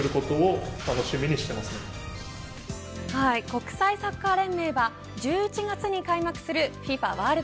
国際サッカー連盟は１１月に開幕するＦＩＦＡワール